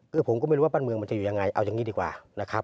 คือผมก็ไม่รู้ว่าบ้านเมืองมันจะอยู่ยังไงเอาอย่างนี้ดีกว่านะครับ